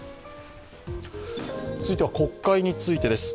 続いては国会についてです。